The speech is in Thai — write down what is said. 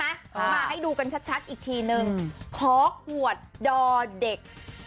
มาให้ดูกันชัดอีกทีหนึ่งพอขวดดอเด็ก๗๖๖๔